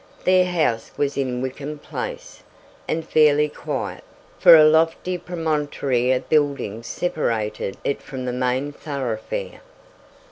Their house was in Wickham Place, and fairly quiet, for a lofty promontory of buildings separated it from the main thoroughfare.